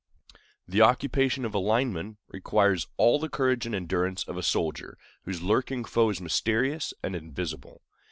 The occupation of a lineman requires all the courage and endurance of a soldier, whose lurking foe is mysterious and invisible.